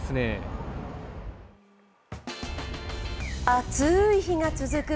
暑い日が続く